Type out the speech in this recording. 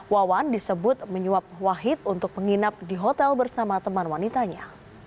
wawan disebut menyuap wahid untuk menginap di hotel bersama teman wanitanya